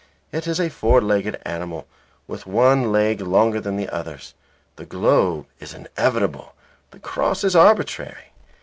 It is a four legged animal, with one leg longer than the others. The globe is inevitable. The cross is arbitrary.